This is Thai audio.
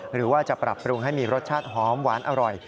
หรือว่าจะปรับปรุงให้มีรสชาติหอมหวานอร่อย